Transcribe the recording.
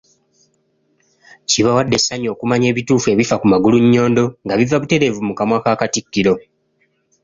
Kibawadde essanyu okumanya ebituufu ebifa ku Magulunnyondo nga biva buteerevu mu kamwa ka Katikkiro.